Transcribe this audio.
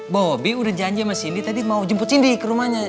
bobi udah janji sama sini tadi mau jemput sindi ke rumahnya